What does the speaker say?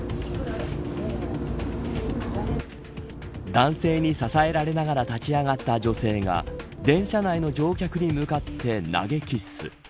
男性に支えられながら立ち上がった女性が電車内の乗客に向かって投げキッス。